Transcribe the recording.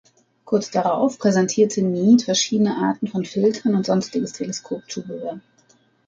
Kurz darauf präsentierte Meade verschiedene Arten von Filtern und sonstiges Teleskop-Zubehör.